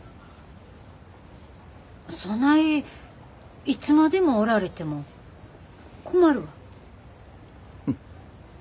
そないいつまでもおられても困るわ。